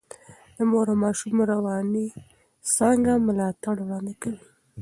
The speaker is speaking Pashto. د مور او ماشوم رواني څانګه ملاتړ وړاندې کوي.